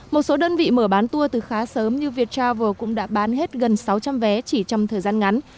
một số đơn vị mở bán tour từ khá sớm như viettravel cũng đã bán hết gần sáu trăm linh vé chỉ trong thời gian ngắn